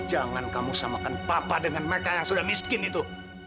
jangan kamu samakan papa dengan mereka yang sudah miskin itu